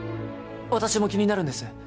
私も気になるんです